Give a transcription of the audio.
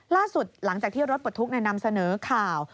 ล่าสุดหลังจากที่รถปลดทุกข์นำเสนอข่าว